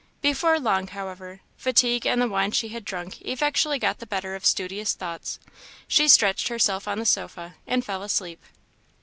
Before long, however, fatigue and the wine she had drunk effectually got the better of studious thoughts; she stretched herself on the sofa and fell asleep.